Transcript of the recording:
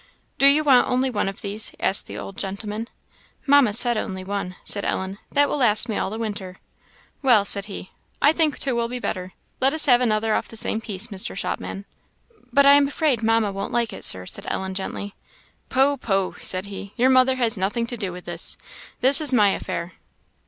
"Do you want only one of these?" asked the old gentleman. "Mamma said only one," said Ellen; "that will last me all the winter." "Well," said he, "I think two will be better. Let us have another off the same piece, Mr. Shopman." "But I am afraid Mamma won't like it, Sir," said Ellen, gently. "Pooh, pooh," said he, "your mother has nothing to do with this; this is my affair."